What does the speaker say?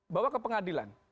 bawa ke pengadilan